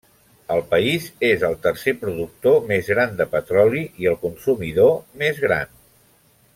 El país és el tercer productor més gran de petroli, i el consumidor més gran.